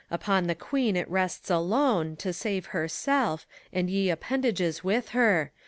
Upon the Queen it rests alone. To save herself, and ye appendages with her.